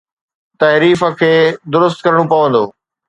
تحريف کي درست ڪرڻو پوندو.